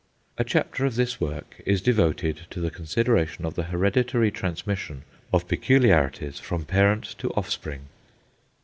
A chapter of this work is devoted to the consideration of the hereditary transmission of peculiarities from parent to offspring.